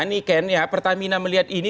nike pertamina melihat ini